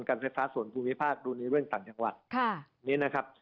ไฟฟ้าส่วนภูมิภาคดูในเรื่องต่างจังหวัดนี้นะครับ